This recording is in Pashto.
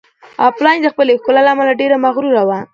ایلین د خپلې ښکلا له امله ډېره مغروره وه.